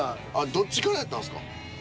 どっちからやったんすか？